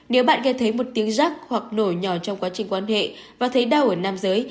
nếu bạn nghe thấy một tiếng rắc hoặc nổi nhỏ trong quá trình quan hệ và thấy đau ở nam giới